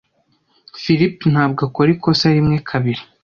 Philip ntabwo akora ikosa rimwe kabiri.